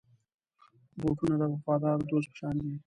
بوټونه د وفادار دوست په شان دي.